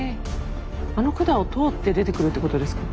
あの管を通って出てくるってことですか？